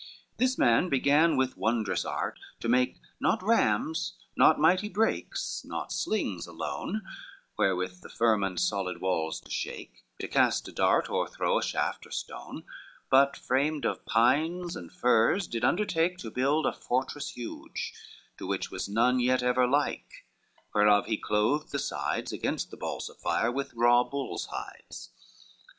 XLIII This man began with wondrous art to make, Not rams, not mighty brakes, not slings alone, Wherewith the firm and solid walls to shake, To cast a dart, or throw a shaft or stone; But framed of pines and firs, did undertake To build a fortress huge, to which was none Yet ever like, whereof he clothed the sides Against the balls of fire with raw bull's hides.